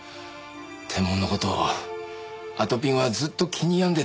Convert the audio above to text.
テンモンの事をあとぴんはずっと気に病んでた。